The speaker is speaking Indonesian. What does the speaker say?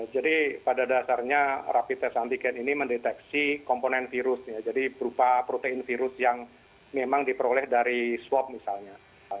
jadi pada dasarnya rapi tes antigen ini mendeteksi komponen virus jadi berupa protein virus yang memang diperoleh dari swab misalnya